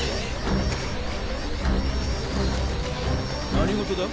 何事だ？